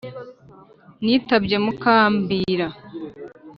Nitabye Makambira ;